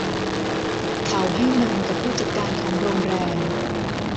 เขาให้มันกับผู้จัดการของโรงแรม